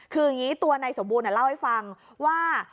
คืออย่างนี้ตัวนายสมบูรณ์เล่าให้ฟังว่า